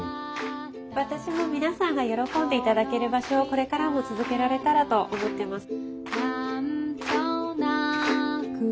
私も皆さんが喜んでいただける場所をこれからも続けられたらと思ってます。